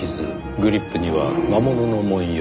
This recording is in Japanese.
グリップには魔物の文様。